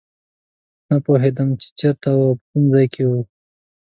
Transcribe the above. نه پوهېدم چې چېرته او په کوم ځای کې یو.